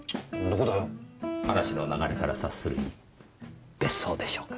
話の流れから察するに別荘でしょうか？